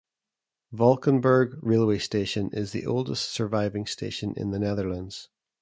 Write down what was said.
Valkenburg railway station is the oldest surviving station in the Netherlands.